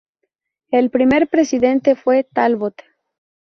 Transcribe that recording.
El primer presidente fue Talbot.